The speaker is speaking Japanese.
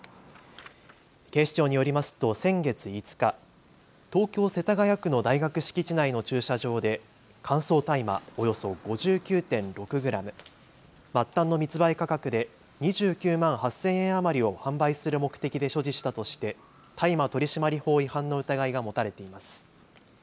警視庁によりますと先月５日、東京世田谷区の大学敷地内の駐車場で乾燥大麻およそ５９．６グラム、末端の密売価格で２９万８０００円余りを販売する目的で所持したとして大麻取締法違反の疑いが持たれています。